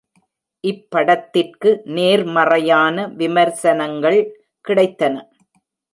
இப்படத்திற்கு நேர்மறையான விமர்சனங்கள் கிடைத்தன.